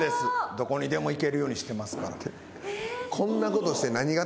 どこにでもいけるようにしてますから。